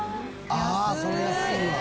ああそれ安いわ。